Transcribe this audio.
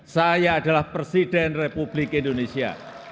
saya adalah presiden republik indonesia